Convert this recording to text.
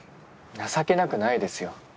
情けなくないですよ。